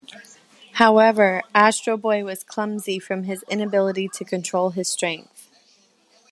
However, Astro Boy was clumsy from his inability to control his strength.